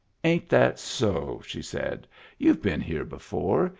" Ain't that so ?" she said. " You've been here before.